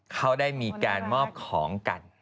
เขาได้มีการมอบของกัน